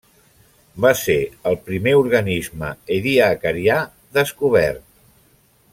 Va ser el primer organisme ediacarià descobert.